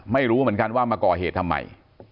ไม่รู้เหมือนกันว่ามาก่อเหตุทำไม